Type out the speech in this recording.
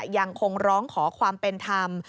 ยังคงร้องขอความเป็นธรรม